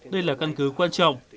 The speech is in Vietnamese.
đây là căn cứ quan trọng